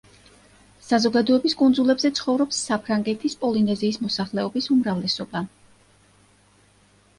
საზოგადოების კუნძულებზე ცხოვრობს საფრანგეთის პოლინეზიის მოსახლეობის უმრავლესობა.